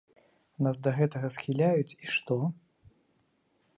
Нас да гэтага схіляюць і што?